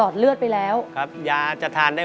เคลื่อนกว่านั้นไม่ได้